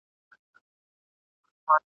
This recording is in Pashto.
د نسیم قاصد لیدلي مرغکۍ دي په سېلونو !.